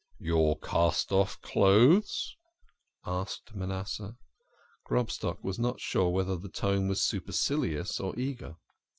"Your cast off clothes?" asked Manasseh. Grobstock was not sure whether the tone was supercilious or eager.